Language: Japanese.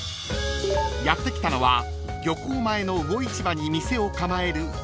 ［やって来たのは漁港前の魚市場に店を構える］